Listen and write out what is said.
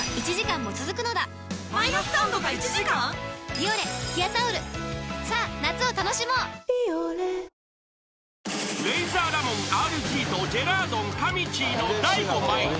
「ビオレ」［レイザーラモンＲＧとジェラードンかみちぃの『大悟ｍｉｔｅ』］